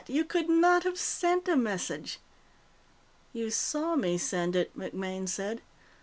You could not have sent a message." "You saw me send it," MacMaine said.